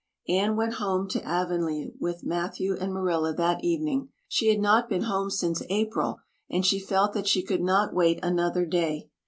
Anne went home to Avonlea with Matthew and Marilla that evening. She had not been home since April and she felt that she could not wait another day.